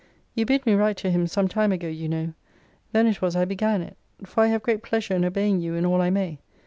You bid me write to him some time ago, you know. Then it was I began it: for I have great pleasure in obeying you in all I may.